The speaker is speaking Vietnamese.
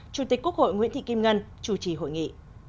chủ tịch quốc hội nguyễn thị kim ngân chủ trì hội nghị